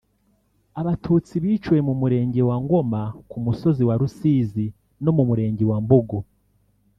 Abatutsi biciwe mu murenge wa Ngoma ku musozi wa Rusizi no mu murenge wa Mbogo